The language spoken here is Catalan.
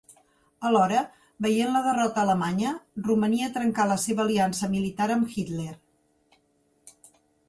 Alhora, veient la derrota alemanya, Romania trencà la seva aliança militar amb Hitler.